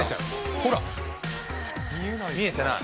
ほら、見えてない。